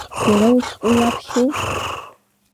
Уара ашәҟәы уаԥхьоу?